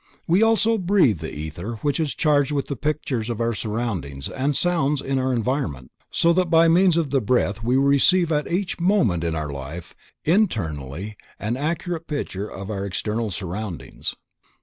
We also breathe the ether which is charged with pictures of our surroundings and the sounds in our environment, so that by means of the breath we receive at each moment of our life, internally an accurate picture of our external surroundings.